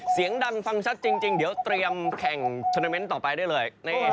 เสียงดังฟังชัดจริงเดี๋ยวเตรียมแข่งโทรนาเมนต์ต่อไปได้เลย